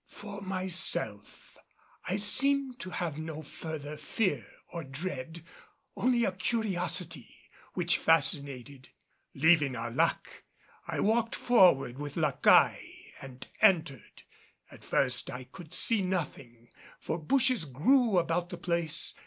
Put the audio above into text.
For myself I seemed to have no further fear or dread, only a curiosity which fascinated. Leaving Arlac, I walked forward with La Caille and entered. At first I could see nothing, for bushes grew about the place.